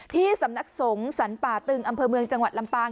ที่สำนักสงฆ์สรรป่าตึงอำเภอเมืองจังหวัดลำปาง